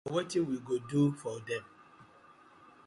Dis our youth leaders na wetin we go do for dem.